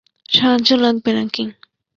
সাহায্য লাগবে নাকি?